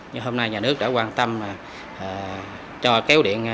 nhưng hôm nay nhà nước đã quan tâm cho kéo điện về đây